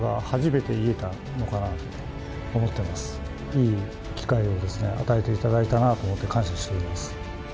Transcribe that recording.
いい機会を与えていただいたなと思って感謝しております。